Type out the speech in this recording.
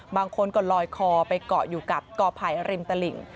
บางคนก็ลอยคอไปเกาะอยู่กับกอไผ่ริมตลิ่ง